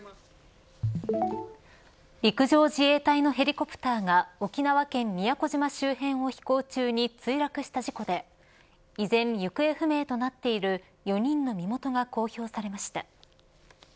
陸上自衛隊のヘリコプターが沖縄県宮古島周辺を飛行中に墜落した事故で依然行方不明となっている４人の身元が公表されました。